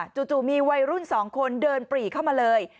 จู่มีวัยรุ่น๒คนเดินปรีเข้ามาเลย